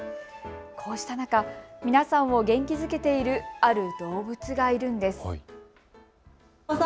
こうした中、皆さんを元気づけているある動物がいるんです。